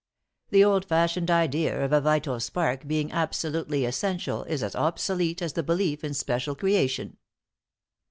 The old fashioned idea of a vital spark being absolutely essential is as obsolete as the belief in special creation.